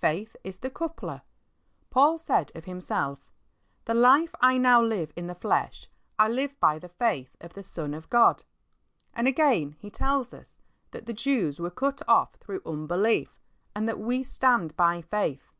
Faith is the coupler. Paul said of himself, "The life I now live in the flesh I live by the faith of the Son of God." And again he tells us that the Jews were cut off through unbelief, and that we stand by faith.